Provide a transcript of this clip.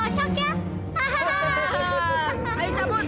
oh iya kita belum kenalan